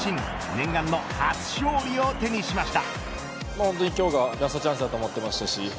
念願の初勝利を手にしました。